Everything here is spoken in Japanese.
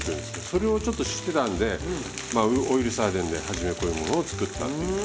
それをちょっと知ってたんでまあオイルサーディンで初めこういうものを作ったっていう。